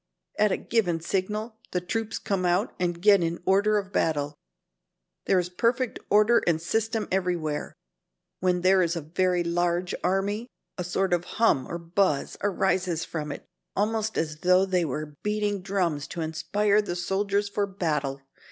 At a given signal the troops come out and get in order of battle. There is perfect order and system everywhere. When there is a very large army, a sort of hum or buzz arises from it almost as though they were beating drums to inspire the soldiers for battle.